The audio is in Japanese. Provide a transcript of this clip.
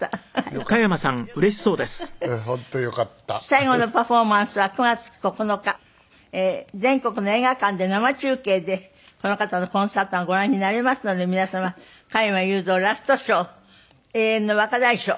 最後のパフォーマンスは９月９日全国の映画館で生中継でこの方のコンサートがご覧になれますので皆様「加山雄三ラストショー永遠の若大将」